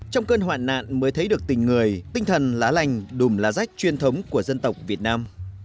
trong cơn hoạn nạn mới thấy được tình người tinh thần lá lành đùm lá rách truyền thống của dân tộc việt nam